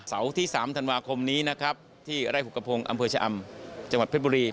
ที่๓ธันวาคมนี้นะครับที่ไร่หุกกระพงศ์อำเภอชะอำจังหวัดเพชรบุรี